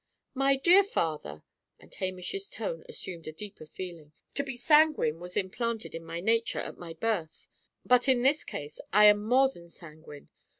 "My dear father," and Hamish's tone assumed a deeper feeling, "to be sanguine was implanted in my nature, at my birth: but in this case I am more than sanguine.